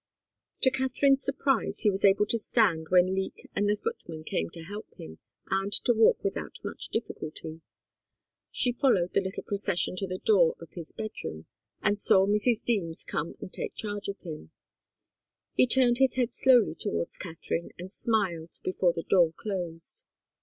To Katharine's surprise, he was able to stand when Leek and the footman came to help him, and to walk without much difficulty. She followed the little procession to the door of his bedroom and saw Mrs. Deems come and take charge of him. He turned his head slowly towards Katharine and smiled before the door closed.